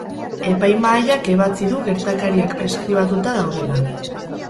Epaimahaiak ebatzi du gertakariak preskribatuta daudela.